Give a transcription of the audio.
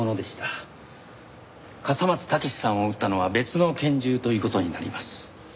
笠松剛史さんを撃ったのは別の拳銃という事になります。